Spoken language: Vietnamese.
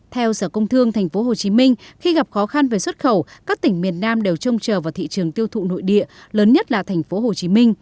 theo sở công thương tp hcm khi gặp khó khăn về xuất khẩu các tỉnh miền nam đều trông chờ vào thị trường tiêu thụ nội địa lớn nhất là tp hcm